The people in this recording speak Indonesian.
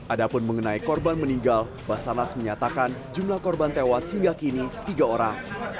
ada pun mengenai korban meninggal basanas menyatakan jumlah korban tewas hingga kini tiga orang